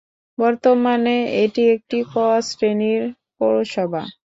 বর্তমানে এটি একটি 'ক' শ্রেণীর পৌরসভা।